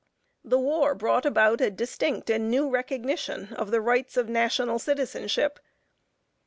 The war brought about a distinct and new recognition of the rights of national citizenship.